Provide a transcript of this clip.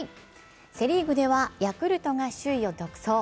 セ・リーグではヤクルトが首位を独走。